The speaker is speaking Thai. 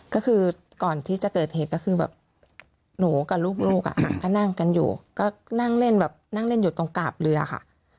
ก็คือก่อนที่จะเกิดเหตุก็คือแบบหนูกับลูกอ่ะก็นั่งกันอยู่ก็นั่งเล่นแบบนั่งเล่นอยู่ตรงกาบเรือค่ะ